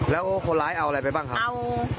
แล้วคนร้ายเอาอะไรไปบ้างครับ